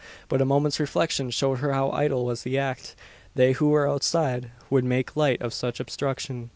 But a moment's reflection showed her how idle was the act. They who were outside would make light of such obstruction.